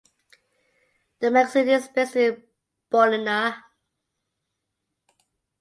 The magazine is based in Bologna.